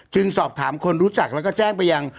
สอบถามคนรู้จักแล้วก็แจ้งไปยัง